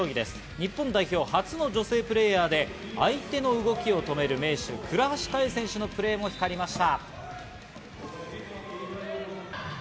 日本初の女性プレーヤー、相手の動きを止める名手・倉橋選手の動きも目立ちました。